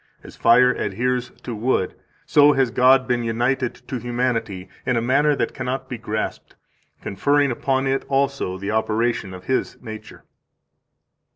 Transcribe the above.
As fire adheres to wood, so has God been united to humanity in a manner that cannot be grasped, conferring upon it also the operation of His nature."